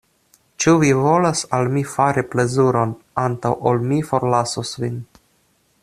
Ĉu vi volas al mi fari plezuron, antaŭ ol mi forlasos vin?